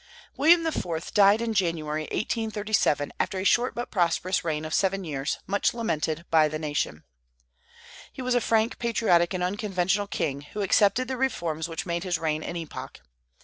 William IV. died in January, 1837, after a short but prosperous reign of seven years, much lamented by the nation. He was a frank, patriotic, and unconventional king, who accepted the reforms which made his reign an epoch.